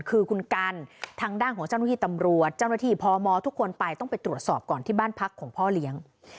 คือคุณกันทางด้านของเจ้าหน้าที่ตำรวจเจ้าหน้าที่พมทุกคนไปต้องไปตรวจสอบก่อนที่บ้านพักของพ่อเลี้ยง